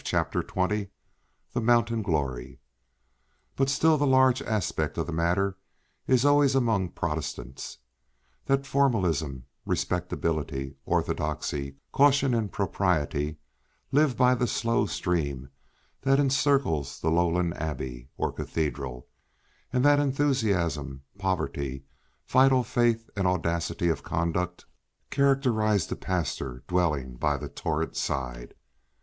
chap. 20, "The Mountain Glory")—"But still the large aspect of the matter is always, among Protestants, that formalism, respectability, orthodoxy, caution and propriety, live by the slow stream that encircles the lowland abbey or cathedral; and that enthusiasm, poverty, vital faith and audacity of conduct, characterise the pastor dwelling by the torrent side."